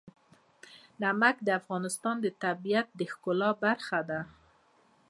نمک د افغانستان د طبیعت د ښکلا برخه ده.